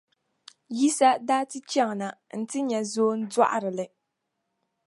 Yisa daa ti chaŋ na nti nya zoondɔɣirili.